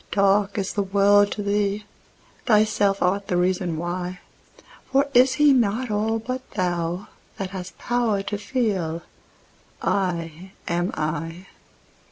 Dark is the world to thee: thyself art the reason why; For is He not all but thou, that hast power to feel 'I am I'?